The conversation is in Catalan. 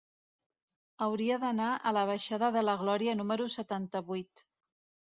Hauria d'anar a la baixada de la Glòria número setanta-vuit.